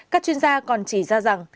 các chuyên gia còn chỉ ra rằng